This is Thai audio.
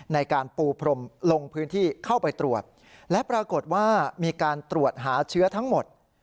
ในการปูพรมลงพื้นที่เข้าไปตรวจและปรากฏว่ามีการตรวจหาเชื้อทั้งหมด